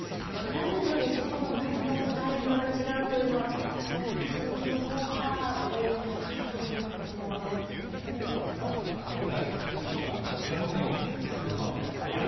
男女で仕事の内容、裁量が違うというのは、確かに地域のほうが多いのかなという感じ業界とか、職種とかそういったことにもよるかもしれません。